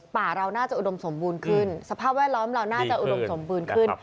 เราน่าจะอุดมสมบูรณ์ขึ้นสภาพแวดล้อมเราน่าจะอุดมสมบูรณ์ขึ้น